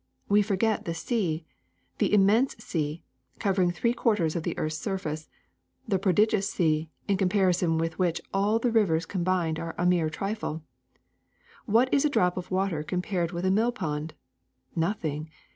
We forget the sea, the im mense sea, covering three quarters of the earth's surface — the prodigious sea, in comparison with which all the rivers combined are as a mere trifle. What is a drop of water compared with a mill pond ? Nothing.